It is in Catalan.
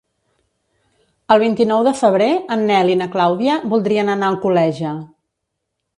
El vint-i-nou de febrer en Nel i na Clàudia voldrien anar a Alcoleja.